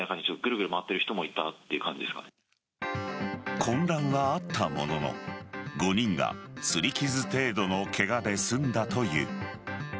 混乱はあったものの５人が擦り傷程度のケガで済んだという。